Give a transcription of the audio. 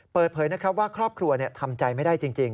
เปิดเผยนะครับว่าครอบครัวทำใจไม่ได้จริง